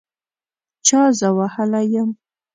چا زه وهلي یم